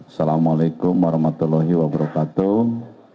assalamualaikum warahmatullahi wabarakatuh